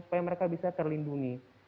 supaya mereka bisa terlindungi